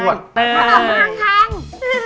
ของคุณยายถ้วน